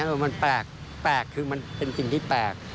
มันแปลกคือมันเป็นสิ่งที่แปลก